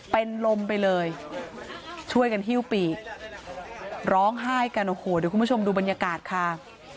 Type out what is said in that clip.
เป็นลมไปเลยช่วยกันฮิ้วปีกร้องไห้กันโอ้โหเดี๋ยวคุณผู้ชมดูบรรยากาศค่ะ